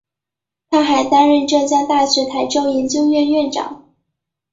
他还担任浙江大学台州研究院院长。